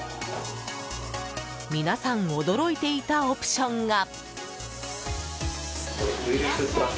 皆さん驚いていたオプションが。